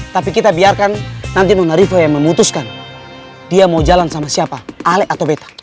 tapi kita biarkan nanti nona riva yang memutuskan dia mau jalan sama siapa alec atau beta